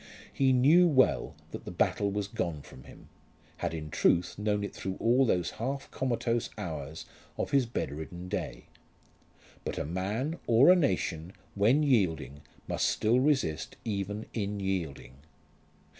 He knew well that the battle was gone from him, had in truth known it through all those half comatose hours of his bedridden day. But a man, or a nation, when yielding must still resist even in yielding.